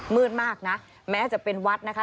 มืดมากนะแม้จะเป็นวัดนะคะ